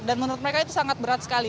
dan menurut mereka itu sangat berat sekali